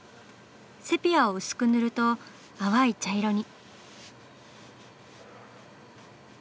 セピアを薄く塗ると淡い茶色に。